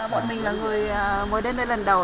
bọn mình là người mới đến đây lần đầu